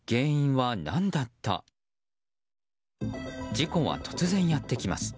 事故は突然やってきます。